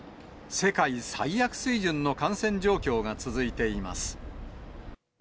世界最悪水準の感染状況が続いています。